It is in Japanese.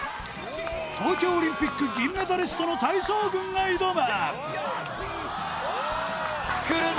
東京オリンピック銀メダリストの体操軍が挑む来るぞ